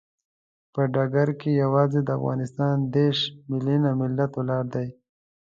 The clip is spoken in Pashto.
په ډګر کې یوازې د افغانستان دیرش ملیوني ملت ولاړ دی.